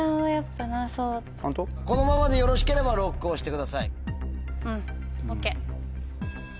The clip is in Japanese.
このままでよろしければＬＯＣＫを押してください。